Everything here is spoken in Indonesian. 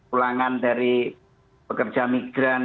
ulangan dari pekerjaan pembangunan